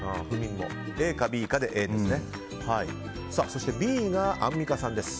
そしてＢがアンミカさんです。